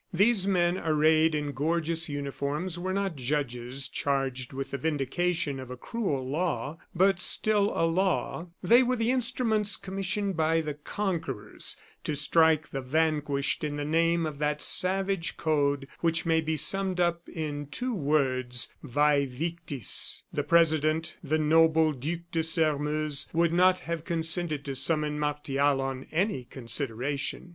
These men arrayed in gorgeous uniforms were not judges charged with the vindication of a cruel law, but still a law they were the instruments, commissioned by the conquerors, to strike the vanquished in the name of that savage code which may be summed up in two words: "vae victis." The president, the noble Duc de Sairmeuse, would not have consented to summon Martial on any consideration.